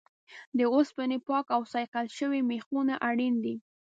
د اوسپنې پاک او صیقل شوي میخونه اړین دي.